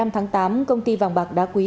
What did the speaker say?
một mươi năm tháng tám công ty vàng bạc đá quý